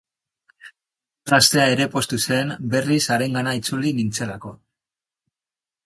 Mutil gaztea ere poztu zen berriz harengana itzuli nintzelako.